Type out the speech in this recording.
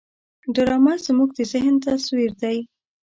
ډرامه زموږ د ذهن تصویر دی